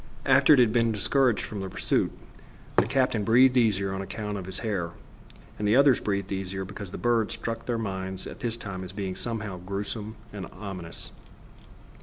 After it had been discouraged from the pursuit the captain breathed easier on account of his hair, and others breathed easier because the bird struck their minds at this time as being somehow grewsome and ominous.